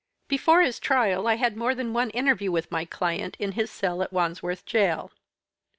"Before his trial I had more than one interview with my client in his cell at Wandsworth Gaol.